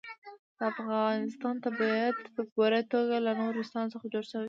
د افغانستان طبیعت په پوره توګه له نورستان څخه جوړ شوی دی.